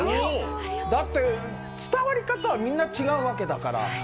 だって伝わり方はみんな違うわけだから。